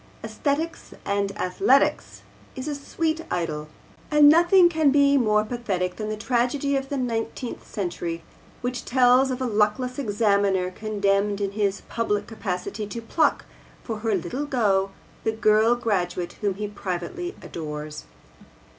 AEsthesis and Athletes is a sweet idyll, and nothing can be more pathetic than the Tragedy of the XIX. Century, which tells of a luckless examiner condemned in his public capacity to pluck for her Little go the girl graduate whom he privately adores.